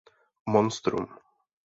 Monstrum.